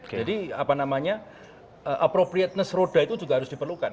jadi apropiatness roda itu juga harus diperlukan